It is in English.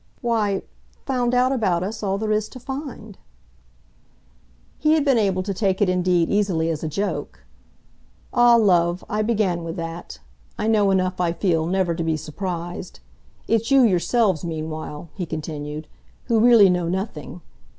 "Why, found out about us all there is to find." He had been able to take it indeed easily as a joke. "Ah, love, I began with that. I know enough, I feel, never to be surprised. It's you yourselves meanwhile," he continued, "who really know nothing.